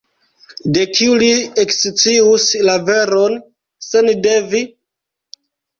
De kiu li ekscius la veron, se ne de vi?